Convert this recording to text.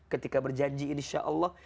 ketika berjanji insya'allah